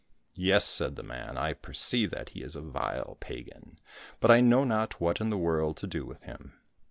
—" Yes," said the man, " I perceive that he is a vile pagan ; but I know not what in the world to do with him.